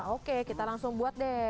oke kita langsung buat deh